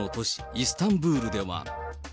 イスタンブールでは。